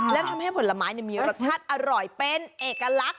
และทำให้ผลไม้มีรสชาติอร่อยเป็นเอกลักษณ